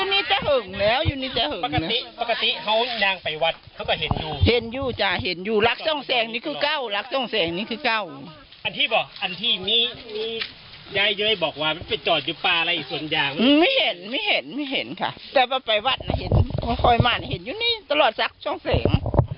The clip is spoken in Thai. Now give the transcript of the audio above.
ไม่เห็นไม่เห็นค่ะแล้วซิไปวรรษเถอะเห็นหัวจร้อยมานยูนี่ตลอดท์ศักดิ์โช่งเสริง